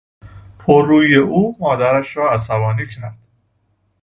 پررویی او مادرش را عصبانی کرد.